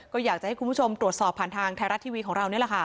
ก็อยากจะให้คุณผู้ชมตรวจสอบผ่านทางไทยรัททีวีค่ะ